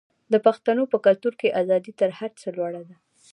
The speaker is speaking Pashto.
د پښتنو په کلتور کې ازادي تر هر څه لوړه ده.